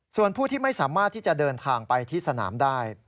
ส่วนผู้ที่ไม่สามารถที่จะเดินทางไปที่สนามได้